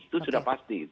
itu sudah pasti